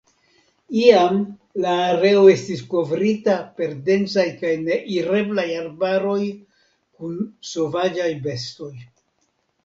Iam la areo estis kovrita per densaj kaj neireblaj arbaroj kun sovaĝaj bestoj.